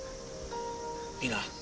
いいな？